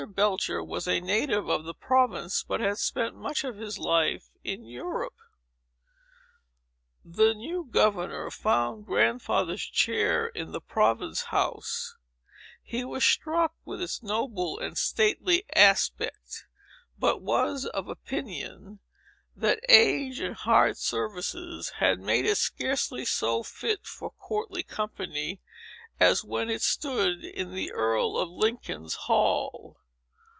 Belcher was a native of the province, but had spent much of his life in Europe. The new governor found Grandfather's chair in the Province House, he was struck with its noble and stately aspect, but was of opinion, that age and hard services had made it scarcely so fit for courtly company, as when it stood in the Earl of Lincoln's hall.